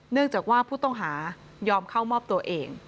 เนื่องจากว่าผู้ต้องหายอมเข้ามอบตัวเอง